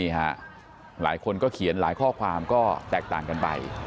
หลายคนก็เขียนหลายข้อความก็แตกต่างกันไป